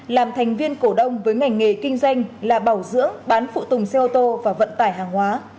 làm thành viên cổ đông với ngành nghề kinh doanh là bảo dưỡng bán phụ tùng xe ô tô và vận tải hàng hóa